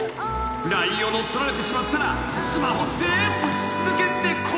［ＬＩＮＥを乗っ取られてしまったらスマホ全部筒抜けって怖い］